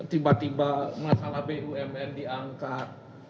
tiba tiba masalah bumn diangkat